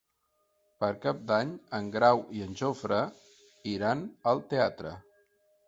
Per Cap d'Any en Grau i en Jofre iran al teatre.